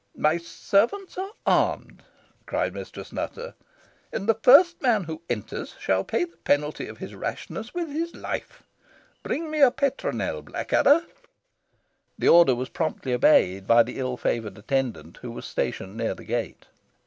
"My servants are armed," cried Mistress Nutter, "and the first man who enters shall pay the penalty of has rashness with life. Bring me a petronel, Blackadder." The order was promptly obeyed by the ill favoured attendant, who was stationed near the gate.